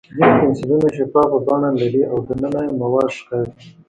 ځینې پنسلونه شفاف بڼه لري او دننه یې مواد ښکاري.